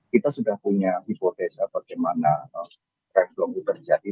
kita sudah punya hipotesa bagaimana travelop itu terjadi